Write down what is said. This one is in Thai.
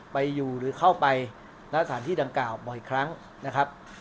ไปอยู่หรือเข้าไปณสถานที่ดังกล่าวบ่อยครั้งนะครับ